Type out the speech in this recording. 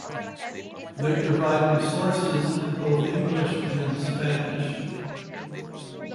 They provide resources in both English and Spanish.